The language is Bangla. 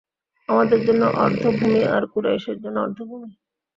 আমাদের জন্য অর্ধ-ভূমি আর কুরাইশের জন্য অর্ধ-ভূমি।